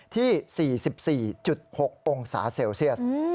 ที่๔๔๖องศาเซลเซียส